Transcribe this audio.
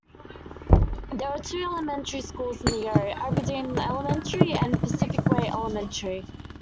There are two elementary schools in the area, Aberdeen Elementary, and Pacific Way Elementary.